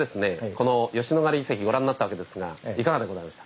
この吉野ヶ里遺跡ご覧になったわけですがいかがでございました？